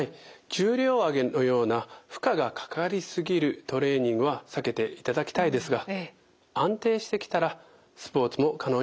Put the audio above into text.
重量挙げのような負荷がかかりすぎるトレーニングは避けていただきたいですが安定してきたらスポーツも可能になります。